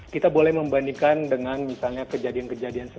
kita boleh membandingkan dengan misalnya kejadian kejadian